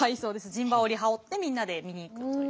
陣羽織羽織ってみんなで見に行くという。